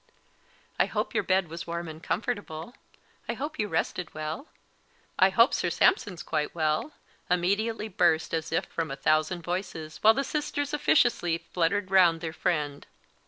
"I hope your bed was warm and comfortable. I hope you rested well. I hope Sir Sampson's quite well!" immediately burst as if from a thousand voices, while the sisters officiously fluttered round their friend.